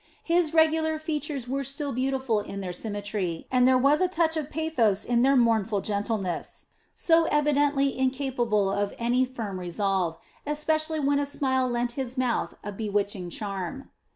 His regular features were still beautiful in their symmetry, and there was a touch of pathos in their mournful gentleness, so evidently incapable of any firm resolve, especially when a smile lent his mouth a bewitching charm.